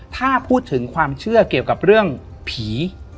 ถ้าพูดถึงความเชื่อเกี่ยวกับเรื่องผี